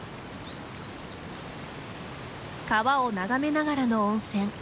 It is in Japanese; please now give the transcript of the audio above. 川を眺めながらの温泉。